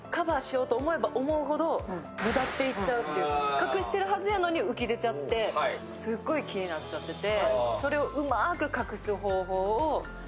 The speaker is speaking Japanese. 隠してるはずやのに浮き出ちゃってすっごい気になっちゃってて。